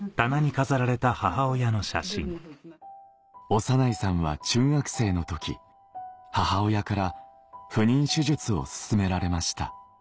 小山内さんは中学生の時母親から不妊手術を勧められました